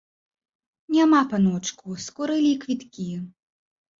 Няма, паночку, скурылі і квіткі.